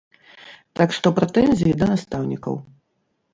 Так што прэтэнзіі да настаўнікаў.